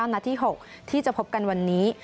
นัดที่๖ที่จะพบกันวันนี้